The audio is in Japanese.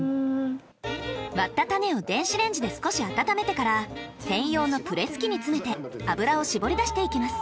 割った種を電子レンジで少し温めてから専用のプレス機に詰めて油を搾り出していきます。